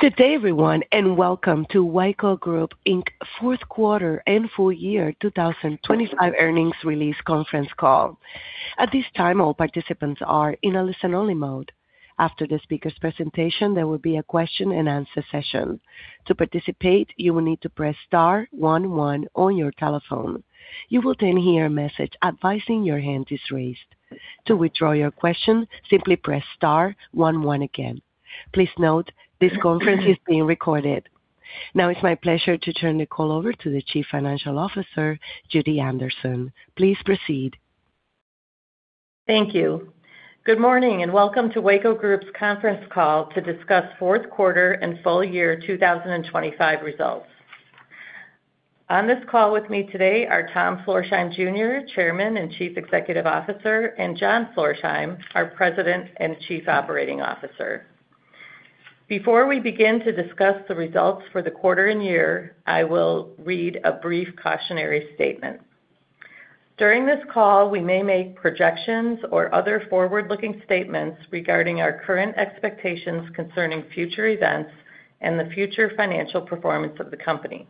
Good day everyone. Welcome to Weyco Group Inc.'s fourth quarter and full year 2025 earnings release conference call. At this time, all participants are in a listen-only mode. After the speaker's presentation, there will be a question-and-answer session. To participate, you will need to press star 11 on your telephone. You will then hear a message advising your hand is raised. To withdraw your question, simply press star 11 again. Please note this conference is being recorded. Now it's my pleasure to turn the call over to the Chief Financial Officer, Judy Anderson. Please proceed. Thank you. Good morning and welcome to Weyco Group's conference call to discuss fourth quarter and full year 2025 results. On this call with me today are Tom Florsheim Jr., Chairman and Chief Executive Officer, and John Florsheim, our President and Chief Operating Officer. Before we begin to discuss the results for the quarter and year, I will read a brief cautionary statement. During this call, we may make projections or other forward-looking statements regarding our current expectations concerning future events and the future financial performance of the company.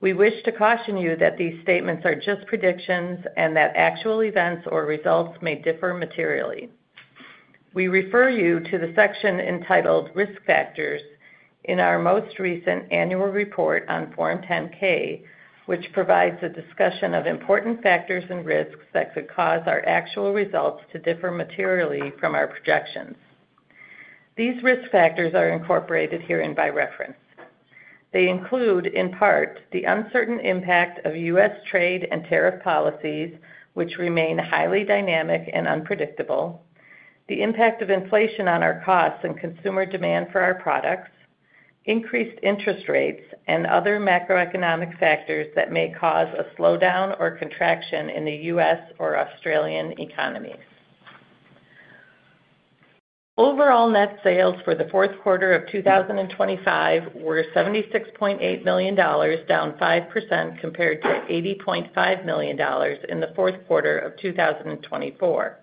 We wish to caution you that these statements are just predictions and that actual events or results may differ materially. We refer you to the section entitled Risk Factors in our most recent annual report on Form 10-K, which provides a discussion of important factors and risks that could cause our actual results to differ materially from our projections. These risk factors are incorporated herein by reference. They include, in part, the uncertain impact of U.S. trade and tariff policies, which remain highly dynamic and unpredictable, the impact of inflation on our costs and consumer demand for our products, increased interest rates and other macroeconomic factors that may cause a slowdown or contraction in the U.S. or Australian economies. Overall net sales for the fourth quarter of 2025 were $76.8 million, down 5% compared to $80.5 million in the fourth quarter of 2024.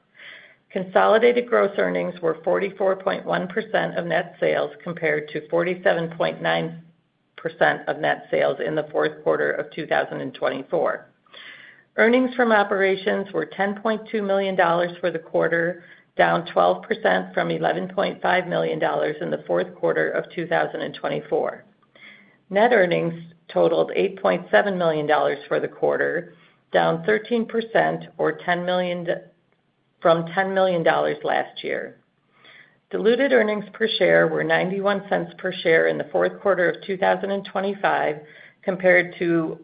Consolidated gross earnings were 44.1% of net sales, compared to 47.9% of net sales in the fourth quarter of 2024. Earnings from operations were $10.2 million for the quarter, down 12% from $11.5 million in the fourth quarter of 2024. Net earnings totaled $8.7 million for the quarter, down 13% from $10 million last year. Diluted earnings per share were $0.91 per share in the fourth quarter of 2025, compared to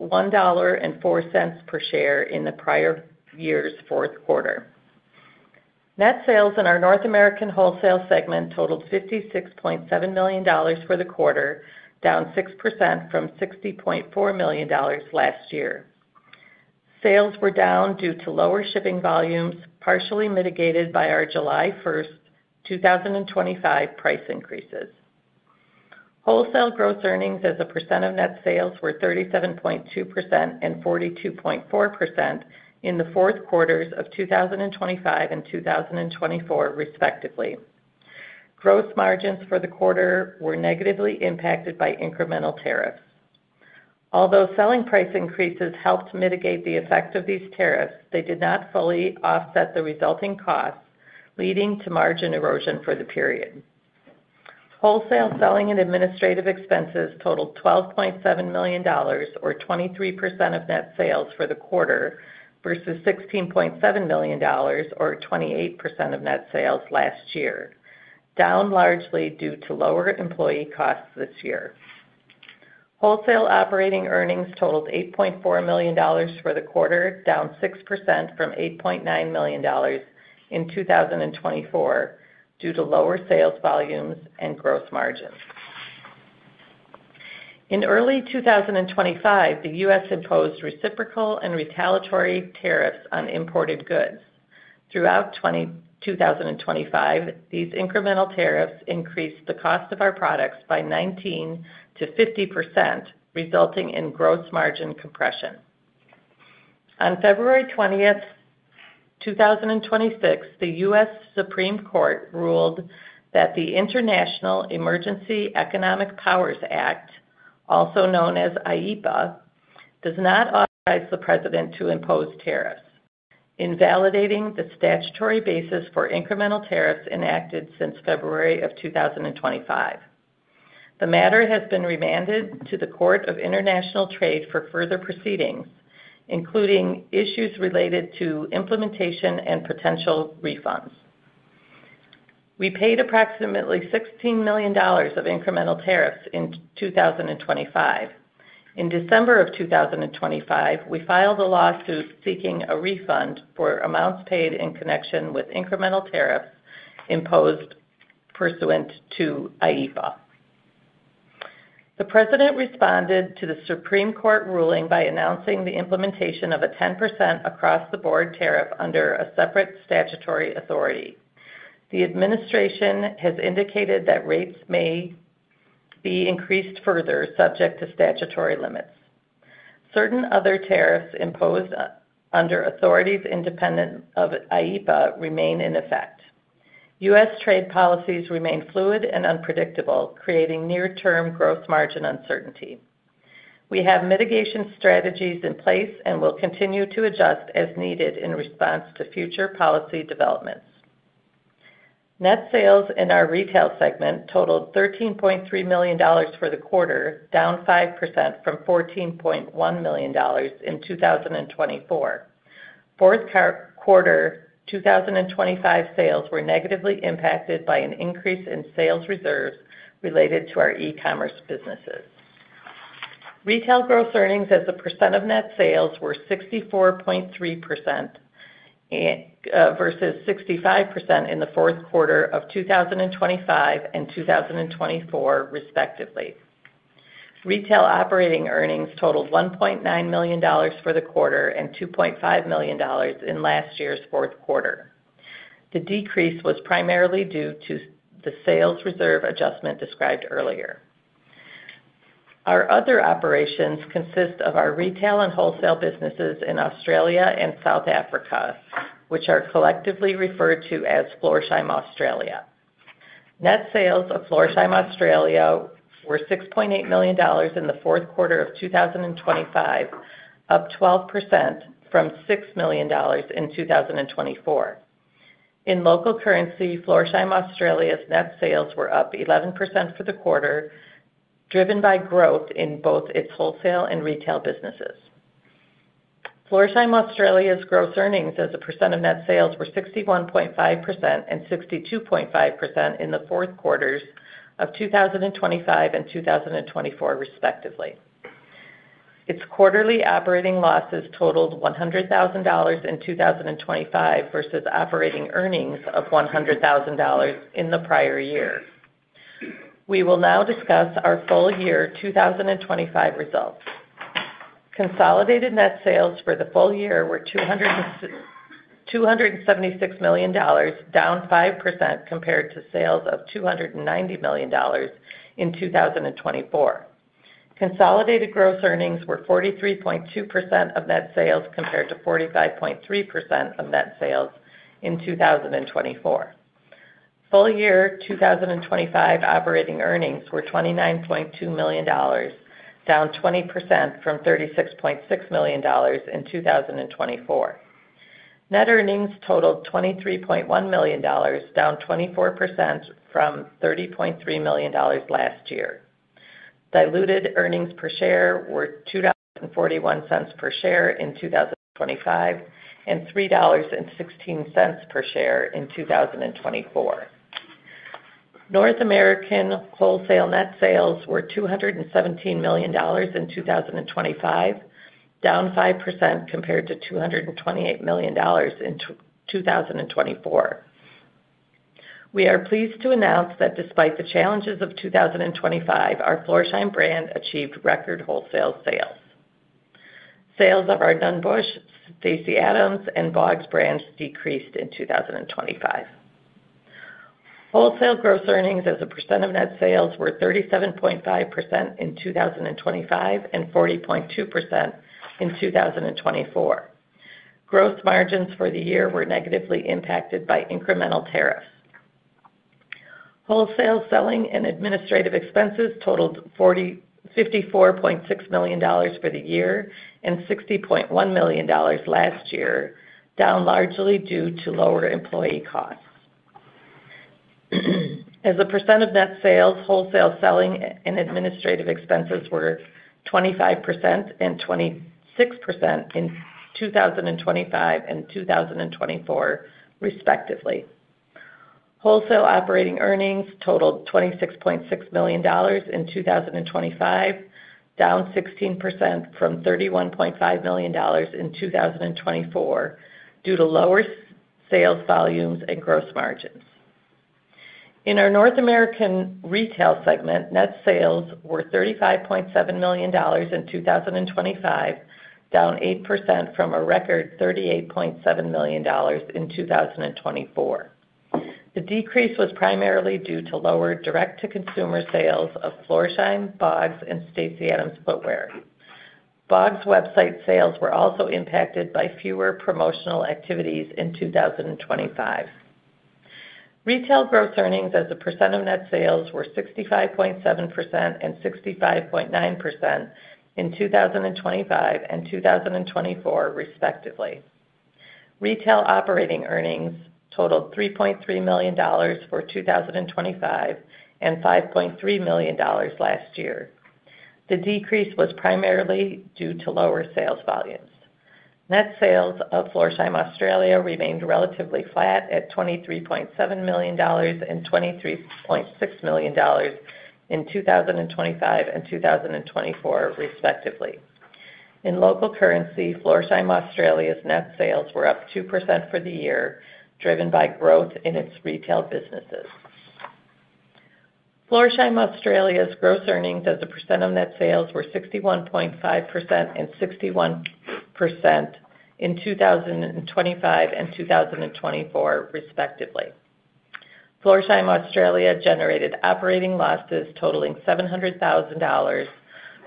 $1.04 per share in the prior year's fourth quarter. Net sales in our North American wholesale segment totaled $56.7 million for the quarter, down 6% from $60.4 million last year. Sales were down due to lower shipping volumes, partially mitigated by our July 1st 2025 price increases. Wholesale gross earnings as a % of net sales were 37.2% and 42.4% in the fourth quarters of 2025 and 2024, respectively. Gross margins for the quarter were negatively impacted by incremental tariffs. Although selling price increases helped mitigate the effect of these tariffs, they did not fully offset the resulting costs, leading to margin erosion for the period. Wholesale selling and administrative expenses totaled $12.7 million, or 23% of net sales for the quarter, versus $16.7 million or 28% of net sales last year, down largely due to lower employee costs this year. Wholesale operating earnings totaled $8.4 million for the quarter, down 6% from $8.9 million in 2024 due to lower sales volumes and gross margins. In early 2025, the U.S. imposed reciprocal and retaliatory tariffs on imported goods. Throughout 2025, these incremental tariffs increased the cost of our products by 19%-50%, resulting in gross margin compression. On February 20, 2026, the Supreme Court of the United States ruled that the International Emergency Economic Powers Act, also known as IEEPA, does not authorize the President to impose tariffs, invalidating the statutory basis for incremental tariffs enacted since February of 2025. The matter has been remanded to the United States Court of International Trade for further proceedings, including issues related to implementation and potential refunds. We paid approximately $16 million of incremental tariffs in 2025. In December of 2025, we filed a lawsuit seeking a refund for amounts paid in connection with incremental tariffs imposed pursuant to IEEPA. The President responded to the Supreme Court ruling by announcing the implementation of a 10% across-the-board tariff under a separate statutory authority. The administration has indicated that rates may be increased further, subject to statutory limits. Certain other tariffs imposed under authorities independent of IEPA remain in effect. U.S. trade policies remain fluid and unpredictable, creating near-term gross margin uncertainty. We have mitigation strategies in place and will continue to adjust as needed in response to future policy developments. Net sales in our retail segment totaled $13.3 million for the quarter, down 5% from $14.1 million in 2024. Fourth quarter 2025 sales were negatively impacted by an increase in sales reserves related to our e-commerce businesses. Retail gross earnings as a percent of net sales were 64.3% versus 65% in the fourth quarter of 2025 and 2024 respectively. Retail operating earnings totaled $1.9 million for the quarter and $2.5 million in last year's fourth quarter. The decrease was primarily due to the sales reserve adjustment described earlier. Our other operations consist of our retail and wholesale businesses in Australia and South Africa, which are collectively referred to as Florsheim Australia. Net sales of Florsheim Australia were $6.8 million in the fourth quarter of 2025, up 12% from $6 million in 2024. In local currency, Florsheim Australia's net sales were up 11% for the quarter, driven by growth in both its wholesale and retail businesses. Florsheim Australia's gross earnings as a percent of net sales were 61.5% and 62.5% in the fourth quarters of 2025 and 2024, respectively. Its quarterly operating losses totaled $100,000 in 2025 versus operating earnings of $100,000 in the prior year. We will now discuss our full year 2025 results. Consolidated net sales for the full year were $276 million, down 5% compared to sales of $290 million in 2024. Consolidated gross earnings were 43.2% of net sales, compared to 45.3% of net sales in 2024. Full year 2025 operating earnings were $29.2 million, down 20% from $36.6 million in 2024. Net earnings totaled $23.1 million, down 24% from $30.3 million last year. Diluted earnings per share were $20.41 per share in 2025, and $3.16 per share in 2024. North American wholesale net sales were $217 million in 2025, down 5% compared to $228 million in 2024. We are pleased to announce that despite the challenges of 2025, our Florsheim brand achieved record wholesale sales. Sales of our Nunn Bush, Stacy Adams, and Bogs brands decreased in 2025. Wholesale gross earnings as a percent of net sales were 37.5% in 2025, and 40.2% in 2024. Gross margins for the year were negatively impacted by incremental tariffs. Wholesale selling and administrative expenses totaled $54.6 million for the year and $60.1 million last year, down largely due to lower employee costs. As a percent of net sales, wholesale selling and administrative expenses were 25% and 26% in 2025 and 2024, respectively. Wholesale operating earnings totaled $26.6 million in 2025, down 16% from $31.5 million in 2024 due to lower sales volumes and gross margins. In our North American retail segment, net sales were $35.7 million in 2025, down 8% from a record $38.7 million in 2024. The decrease was primarily due to lower direct-to-consumer sales of Florsheim, Bogs, and Stacy Adams footwear. Bogs website sales were also impacted by fewer promotional activities in 2025. Retail gross earnings as a percent of net sales were 65.7% and 65.9% in 2025 and 2024, respectively. Retail operating earnings totaled $3.3 million for 2025 and $5.3 million last year. The decrease was primarily due to lower sales volumes. Net sales of Florsheim Australia remained relatively flat at $23.7 million and $23.6 million in 2025 and 2024, respectively. In local currency, Florsheim Australia's net sales were up 2% for the year, driven by growth in its retail businesses. Florsheim Australia's gross earnings as a percent of net sales were 61.5% and 61% in 2025 and 2024, respectively. Florsheim Australia generated operating losses totaling $700,000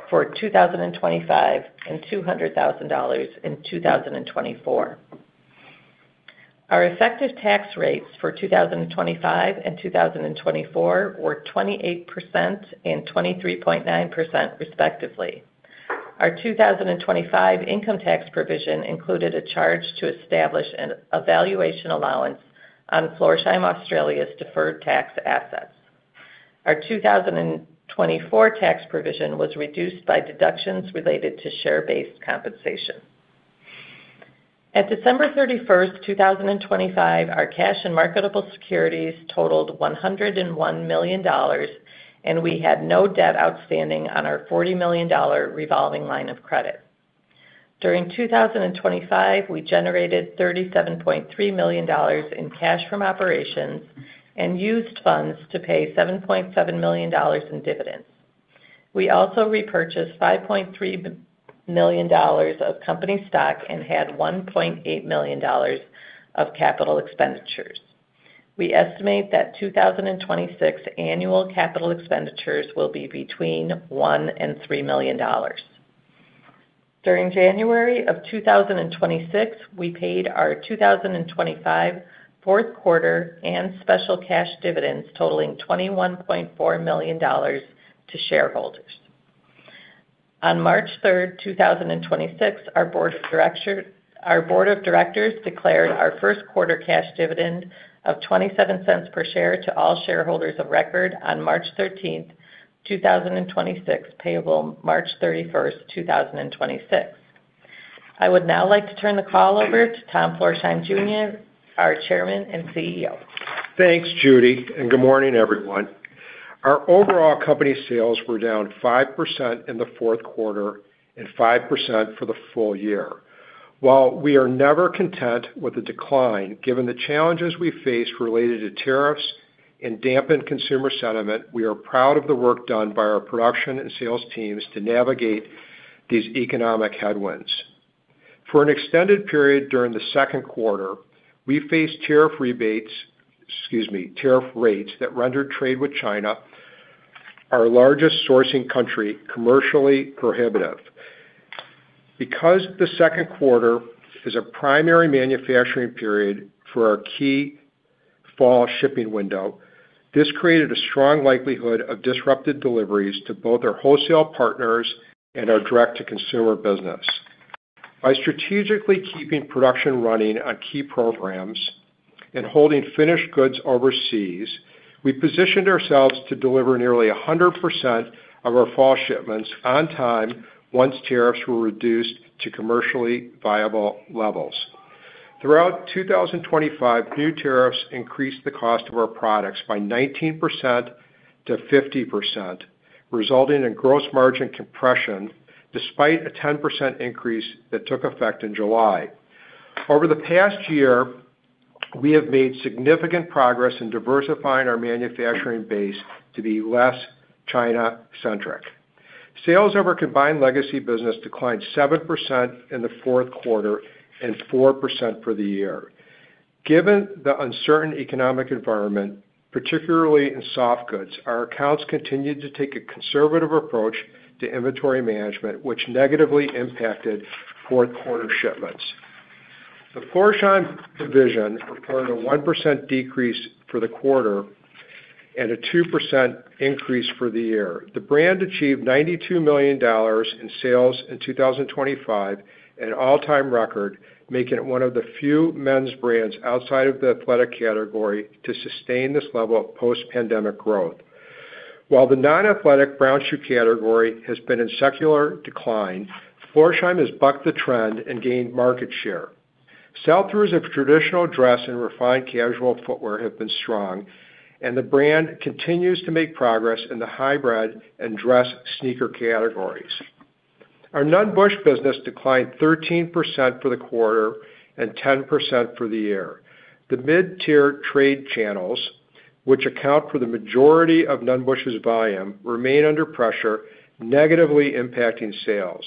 for 2025 and $200,000 in 2024. Our effective tax rates for 2025 and 2024 were 28% and 23.9% respectively. Our 2025 income tax provision included a charge to establish an valuation allowance on Florsheim Australia's deferred tax assets. Our 2024 tax provision was reduced by deductions related to share-based compensation. At December 31st, 2025, our cash and marketable securities totaled $101 million, and we had no debt outstanding on our $40 million revolving line of credit. During 2025, we generated $37.3 million in cash from operations and used funds to pay $7.7 million in dividends. We also repurchased $5.3 million of company stock and had $1.8 million of capital expenditures. We estimate that 2026 annual capital expenditures will be between $1 million and $3 million. During January 2026, we paid our 2025 fourth quarter and special cash dividends totaling $21.4 million to shareholders. On March 3rd, 2026, our board of directors declared our first quarter cash dividend of $0.27 per share to all shareholders of record on March 13th, 2026, payable March 31st, 2026. I would now like to turn the call over to Tom Florsheim Jr., our Chairman and CEO. Thanks, Judy. Good morning, everyone. Our overall company sales were down 5% in the fourth quarter and 5% for the full year. While we are never content with the decline, given the challenges we face related to tariffs and dampened consumer sentiment, we are proud of the work done by our production and sales teams to navigate these economic headwinds. For an extended period during the second quarter, we faced tariff rates that rendered trade with China, our largest sourcing country, commercially prohibitive. Because the second quarter is a primary manufacturing period for our key fall shipping window, this created a strong likelihood of disrupted deliveries to both our wholesale partners and our direct-to-consumer business. By strategically keeping production running on key programs and holding finished goods overseas, we positioned ourselves to deliver nearly 100% of our fall shipments on time once tariffs were reduced to commercially viable levels. Throughout 2025, new tariffs increased the cost of our products by 19%-50%, resulting in gross margin compression despite a 10% increase that took effect in July. Over the past year, we have made significant progress in diversifying our manufacturing base to be less China-centric. Sales of our combined legacy business declined 7% in the fourth quarter and 4% for the year. Given the uncertain economic environment, particularly in soft goods, our accounts continued to take a conservative approach to inventory management, which negatively impacted fourth quarter shipments. The Florsheim division reported a 1% decrease for the quarter and a 2% increase for the year. The brand achieved $92 million in sales in 2025, an all-time record, making it one of the few men's brands outside of the athletic category to sustain this level of post-pandemic growth. While the non-athletic brown shoe category has been in secular decline, Florsheim has bucked the trend and gained market share. Sell-throughs of traditional dress and refined casual footwear have been strong, and the brand continues to make progress in the hybrid and dress sneaker categories. Our Nunn Bush business declined 13% for the quarter and 10% for the year. The mid-tier trade channels, which account for the majority of Nunn Bush's volume, remain under pressure, negatively impacting sales.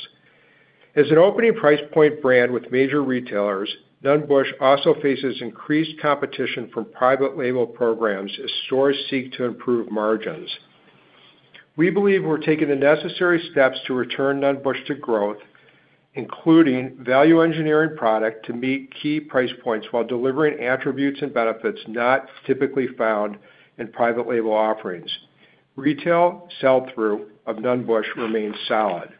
As an opening price point brand with major retailers, Nunn Bush also faces increased competition from private label programs as stores seek to improve margins. We believe we're taking the necessary steps to return Nunn Bush to growth, including value engineering product to meet key price points while delivering attributes and benefits not typically found in private label offerings. Retail sell-through of Nunn Bush remains solid.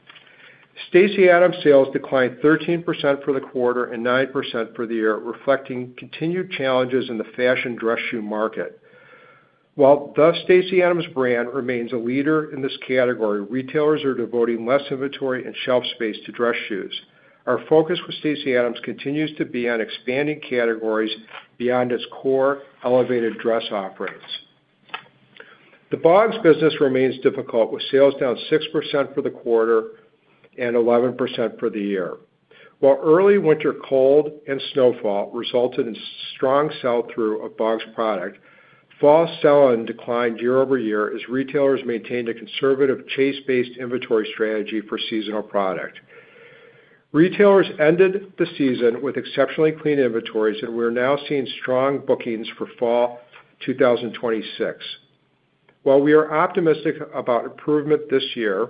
Stacy Adams sales declined 13% for the quarter and 9% for the year, reflecting continued challenges in the fashion dress shoe market. While the Stacy Adams brand remains a leader in this category, retailers are devoting less inventory and shelf space to dress shoes. Our focus with Stacy Adams continues to be on expanding categories beyond its core elevated dress offerings. The Bogs business remains difficult, with sales down 6% for the quarter and 11% for the year. While early winter cold and snowfall resulted in strong sell-through of Bogs product, fall sell-in declined year-over-year as retailers maintained a conservative chase-based inventory strategy for seasonal product. Retailers ended the season with exceptionally clean inventories, and we're now seeing strong bookings for fall 2026. While we are optimistic about improvement this year,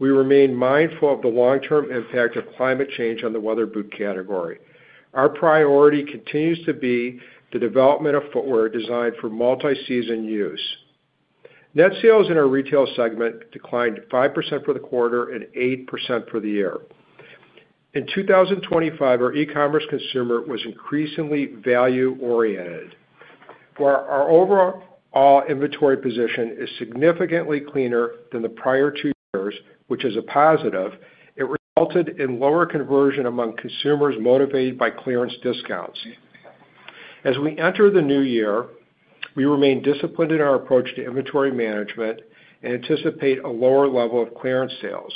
we remain mindful of the long-term impact of climate change on the weather boot category. Our priority continues to be the development of footwear designed for multi-season use. Net sales in our retail segment declined 5% for the quarter and 8% for the year. In 2025, our e-commerce consumer was increasingly value-oriented. While our overall inventory position is significantly cleaner than the prior two years, which is a positive, it resulted in lower conversion among consumers motivated by clearance discounts. As we enter the new year, we remain disciplined in our approach to inventory management and anticipate a lower level of clearance sales.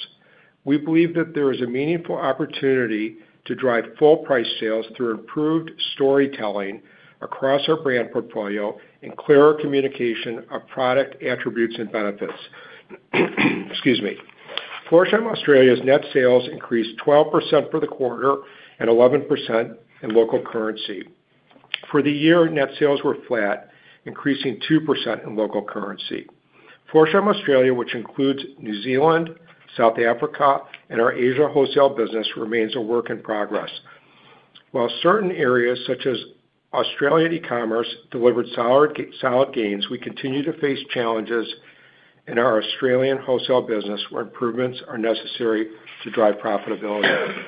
We believe that there is a meaningful opportunity to drive full price sales through improved storytelling across our brand portfolio and clearer communication of product attributes and benefits. Excuse me. Florsheim Australia's net sales increased 12% for the quarter and 11% in local currency. For the year, net sales were flat, increasing 2% in local currency. Florsheim Australia, which includes New Zealand, South Africa, and our Asia wholesale business, remains a work in progress. While certain areas such as Australia e-commerce delivered solid gains, we continue to face challenges in our Australian wholesale business, where improvements are necessary to drive profitability.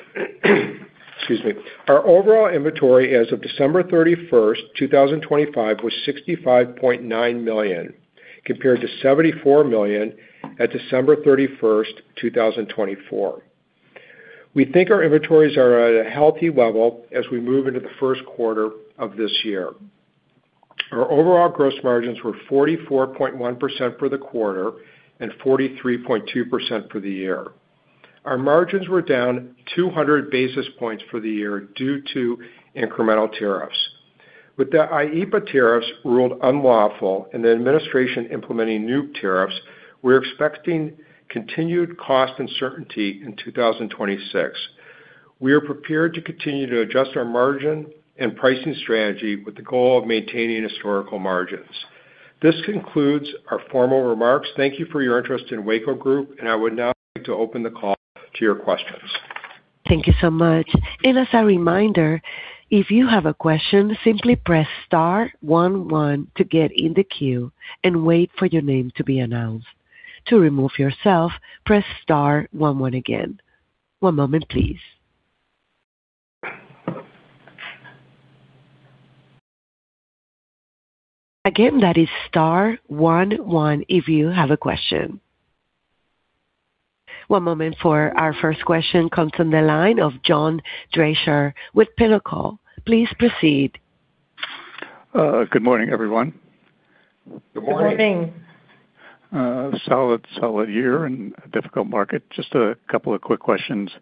Excuse me. Our overall inventory as of December 31, 2025, was $65.9 million, compared to $74 million at December 31, 2024. We think our inventories are at a healthy level as we move into the first quarter of this year. Our overall gross margins were 44.1% for the quarter and 43.2% for the year. Our margins were down 200 basis points for the year due to incremental tariffs. With the IEPA tariffs ruled unlawful and the administration implementing new tariffs, we're expecting continued cost uncertainty in 2026. We are prepared to continue to adjust our margin and pricing strategy with the goal of maintaining historical margins. This concludes our formal remarks. Thank you for your interest in Weyco Group, I would now like to open the call to your questions. Thank you so much. As a reminder, if you have a question, simply press star one one to get in the queue and wait for your name to be announced. To remove yourself, press star one one again. One moment please. Again, that is star one one if you have a question. One moment for our first question comes from the line of John Deysher with Pinnacle. Please proceed. Good morning, everyone. Good morning. Good morning. Solid year in a difficult market. Just a couple of quick questions.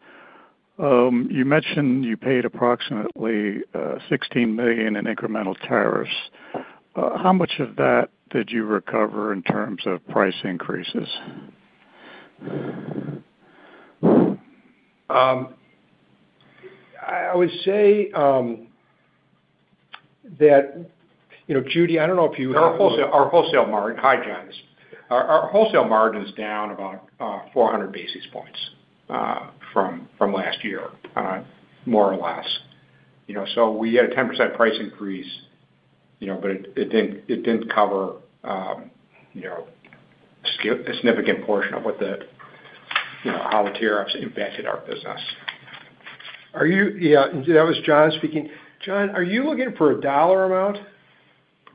You mentioned you paid approximately $16 million in incremental tariffs. How much of that did you recover in terms of price increases? I would say, that, you know, Judy, I don't know. Our wholesale margin. Hi, John. Our wholesale margin is down about 400 basis points from last year, more or less. You know, we had a 10% price increase, you know, it didn't cover, you know, significant portion of what the, you know, how tariffs impacted our business. Yeah, that was John speaking. John, are you looking for a dollar amount?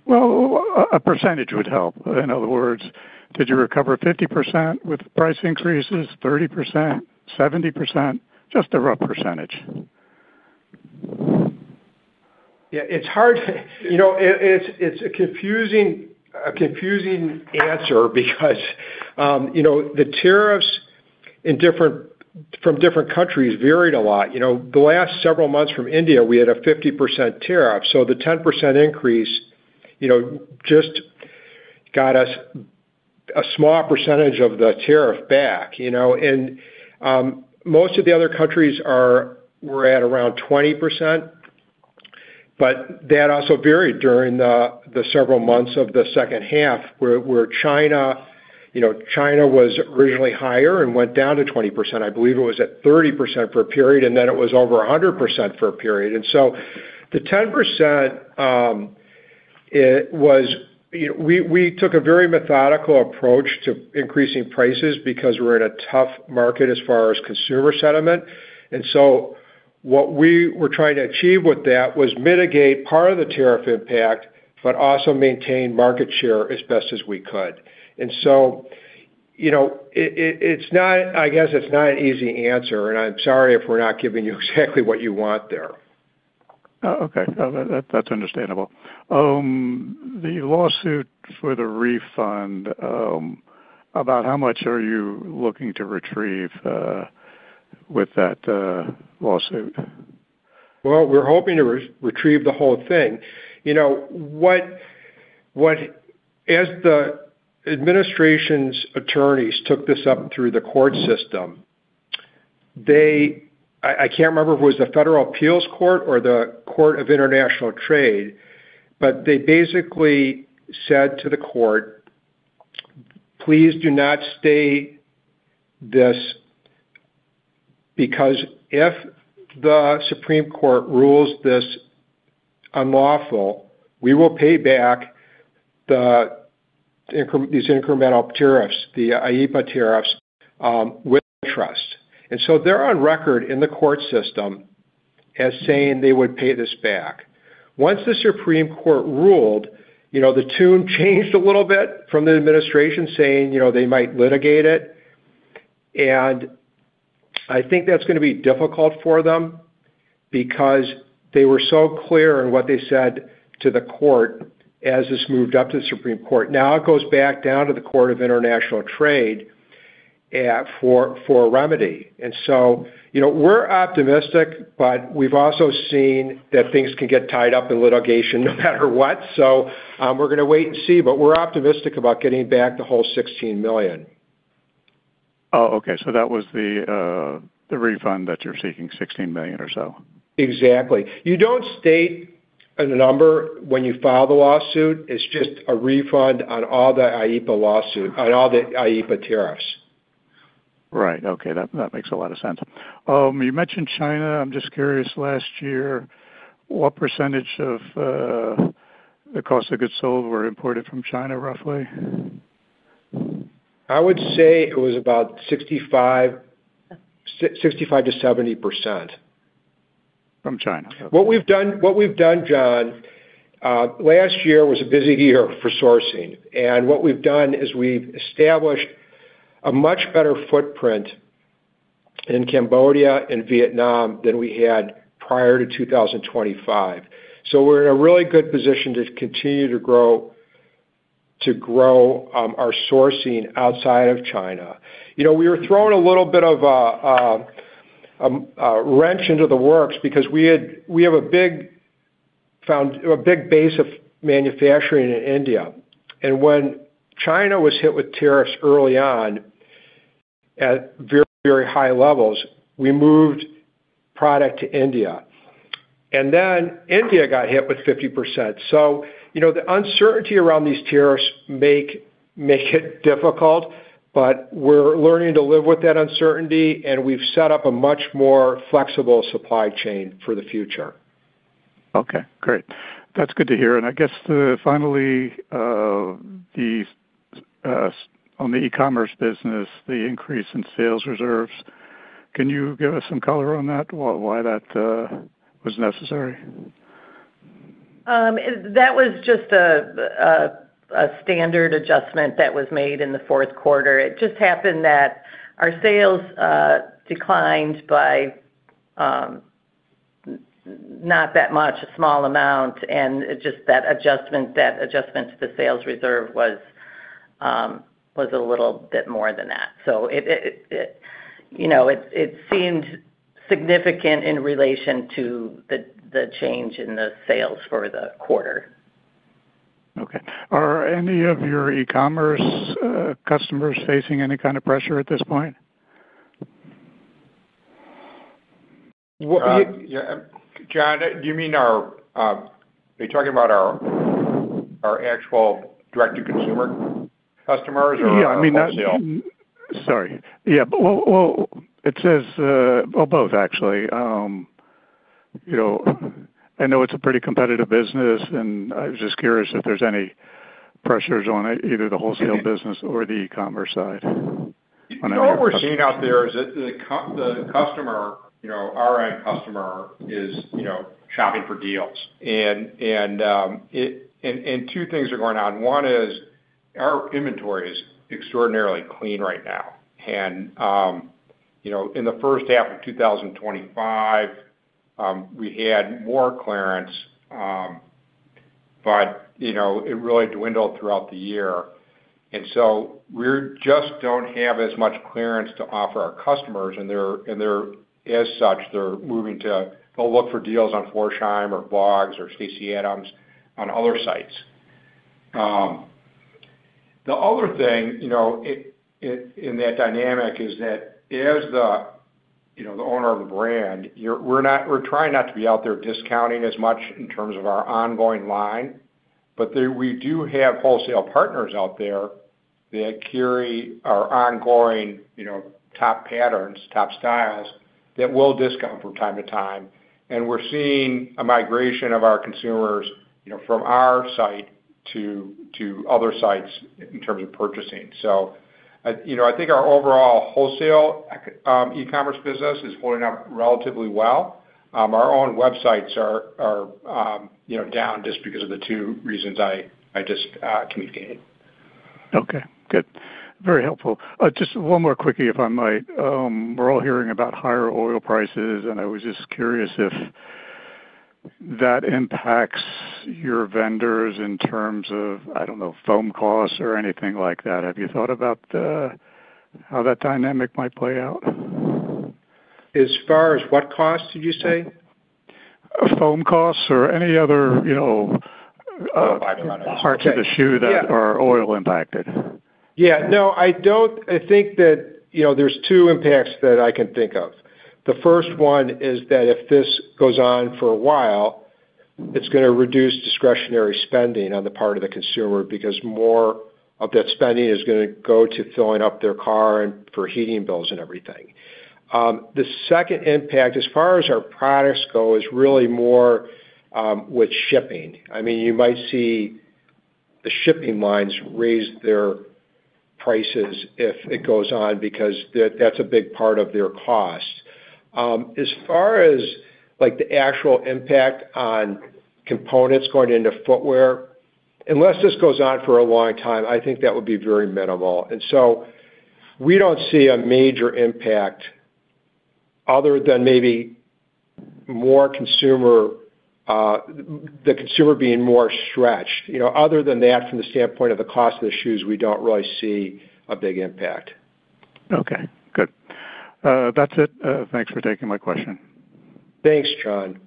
Well, a percentage would help. In other words, did you recover 50% with price increases, 30%, 70%? Just a rough percentage. Yeah, it's hard. You know, it's a confusing answer because, you know, the tariffs from different countries varied a lot. You know, the last several months from India, we had a 50% tariff, so the 10% increase, you know, just got us a small percentage of the tariff back, you know. Most of the other countries were at around 20%, but that also varied during the several months of the second half where China, you know, China was originally higher and went down to 20%. I believe it was at 30% for a period, and then it was over 100% for a period. The 10%, you know, we took a very methodical approach to increasing prices because we're in a tough market as far as consumer sentiment. What we were trying to achieve with that was mitigate part of the tariff impact but also maintain market share as best as we could. You know, it's not, I guess it's not an easy answer, and I'm sorry if we're not giving you exactly what you want there. Okay. No, that's understandable. The lawsuit for the refund, about how much are you looking to retrieve with that lawsuit? Well, we're hoping to re-retrieve the whole thing. You know, as the administration's attorneys took this up through the court system, I can't remember if it was the Federal Appeals Court or the Court of International Trade, but they basically said to the court, "Please do not state this because if the Supreme Court rules this unlawful, we will pay back these incremental tariffs, the IEEPA tariffs, with interest." They're on record in the court system as saying they would pay this back. Once the Supreme Court ruled, you know, the tune changed a little bit from the administration saying, you know, they might litigate it. I think that's gonna be difficult for them because they were so clear in what they said to the court as this moved up to the Supreme Court. It goes back down to the Court of International Trade for a remedy. You know, we're optimistic, but we've also seen that things can get tied up in litigation no matter what. We're gonna wait and see, but we're optimistic about getting back the whole $16 million. Okay. That was the refund that you're seeking, $16 million or so. Exactly. You don't state a number when you file the lawsuit. It's just a refund on all the IEEPA tariffs. Right. Okay. That, that makes a lot of sense. You mentioned China. I'm just curious, last year, what % of the cost of goods sold were imported from China, roughly? I would say it was about 65%-70%. From China? What we've done, John Deysher, last year was a busy year for sourcing. What we've done is we've established a much better footprint in Cambodia and Vietnam than we had prior to 2025. We're in a really good position to continue to grow our sourcing outside of China. You know, we were throwing a little bit of a wrench into the works because we have a big base of manufacturing in India. When China was hit with tariffs early on at very, very high levels, we moved product to India. Then India got hit with 50%. You know, the uncertainty around these tariffs make it difficult, but we're learning to live with that uncertainty, and we've set up a much more flexible supply chain for the future. Okay, great. That's good to hear. I guess finally on the e-commerce business, the increase in sales reserves, can you give us some color on that, why that was necessary? That was just a standard adjustment that was made in the fourth quarter. It just happened that our sales declined by not that much, a small amount, and just that adjustment to the sales reserve was a little bit more than that. It, you know, it seemed significant in relation to the change in the sales for the quarter. Okay. Are any of your e-commerce customers facing any kind of pressure at this point? Well, yeah, John, do you mean our, are you talking about our actual direct-to-consumer customers or? Yeah, I mean. -wholesale? Sorry. Yeah. Well, it says, well, both actually. You know, I know it's a pretty competitive business, and I was just curious if there's any pressures on either the wholesale business or the e-commerce side on that. What we're seeing out there is that the customer, you know, our end customer is, you know, shopping for deals. And two things are going on. One is our inventory is extraordinarily clean right now. You know, in the first half of 2025, we had more clearance, but, you know, it really dwindled throughout the year. Just don't have as much clearance to offer our customers, and they're, as such, they're moving to go look for deals on Florsheim or Bogs or Stacy Adams on other sites. The other thing, you know, in that dynamic is that as the, you know, the owner of the brand, we're trying not to be out there discounting as much in terms of our ongoing line, but we do have wholesale partners out there that carry our ongoing, you know, top patterns, top styles that will discount from time to time. We're seeing a migration of our consumers, you know, from our site to other sites in terms of purchasing. You know, I think our overall wholesale e-commerce business is holding up relatively well. Our own websites are, you know, down just because of the two reasons I just communicated. Okay, good. Very helpful. Just one more quickly, if I might. We're all hearing about higher oil prices, and I was just curious if that impacts your vendors in terms of, I don't know, foam costs or anything like that. Have you thought about the how that dynamic might play out? As far as what costs did you say? Foam costs or any other, you know, parts of the shoe that are oil impacted. Yeah. No, I don't. I think that, you know, there's two impacts that I can think of. The first one is that if this goes on for a while, it's gonna reduce discretionary spending on the part of the consumer because more of that spending is gonna go to filling up their car and for heating bills and everything. The second impact as far as our products go, is really more with shipping. I mean, you might see the shipping lines raise their prices if it goes on, because that's a big part of their cost. As far as, like, the actual impact on components going into footwear, unless this goes on for a long time, I think that would be very minimal. So we don't see a major impact other than maybe more consumer, the consumer being more stretched. You know, other than that, from the standpoint of the cost of the shoes, we don't really see a big impact. Okay, good. That's it. Thanks for taking my question. Thanks, John.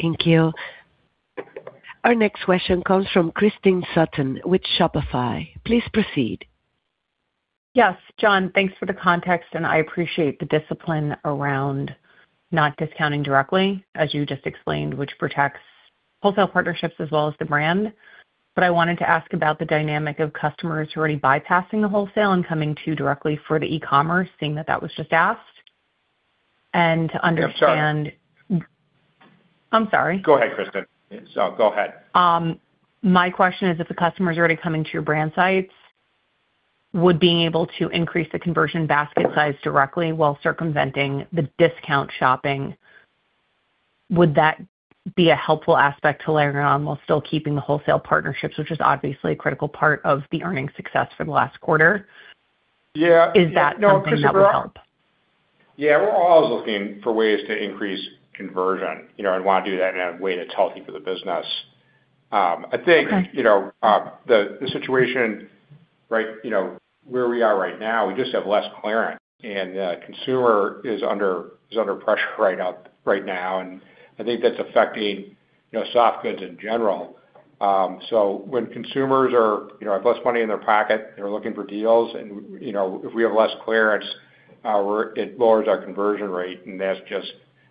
Thank you. Our next question comes from Christine Sutton with Shopify. Please proceed. Yes, John, thanks for the context, and I appreciate the discipline around not discounting directly, as you just explained, which protects wholesale partnerships as well as the brand. I wanted to ask about the dynamic of customers who are already bypassing the wholesale and coming to you directly for the e-commerce, seeing that that was just asked. To understand... Sorry. I'm sorry. Go ahead, Kristen. Go ahead. My question is if the customer's already coming to your brand sites, would being able to increase the conversion basket size directly while circumventing the discount shopping, would that be a helpful aspect to layer it on while still keeping the wholesale partnerships, which is obviously a critical part of the earnings success for the last quarter? Yeah. Is that something that will help? Yeah. We're always looking for ways to increase conversion, you know, and want to do that in a way that's healthy for the business. Okay. You know, the situation, right, you know, where we are right now, we just have less clearance, and the consumer is under pressure right now. I think that's affecting, you know, soft goods in general. When consumers are, you know, have less money in their pocket, they're looking for deals. You know, if we have less clearance, it lowers our conversion rate. That's just,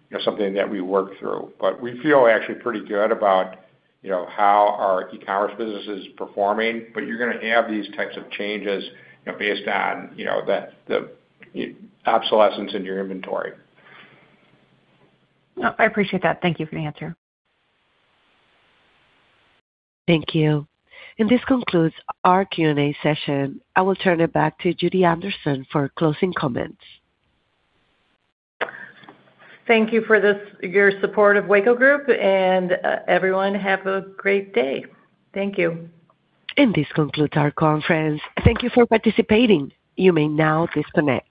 you know, something that we work through. We feel actually pretty good about, you know, how our e-commerce business is performing. You're gonna have these types of changes, you know, based on, you know, the obsolescence in your inventory. I appreciate that. Thank you for the answer. Thank you. This concludes our Q&A session. I will turn it back to Judy Anderson for closing comments. Thank you for this, your support of Weyco Group, and everyone, have a great day. Thank you. This concludes our conference. Thank you for participating. You may now disconnect.